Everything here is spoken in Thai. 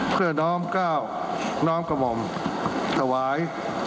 เพื่อน้อมก้าวน้อมกระหม่อมถวาย